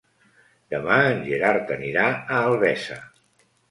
Demà en Gerard anirà a Albesa.